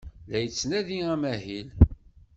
La yettnadi amahil.